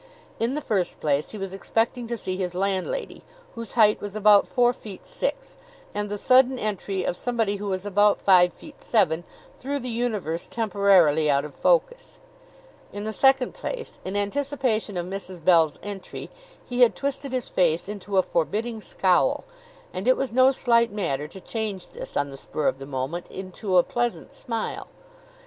In the first place, he was expecting to see his landlady, whose height was about four feet six, and the sudden entry of somebody who was about five feet seven threw the universe temporarily out of focus. In the second place, in anticipation of Mrs. Bell's entry, he had twisted his face into a forbidding scowl, and it was no slight matter to change this on the spur of the moment into a pleasant smile.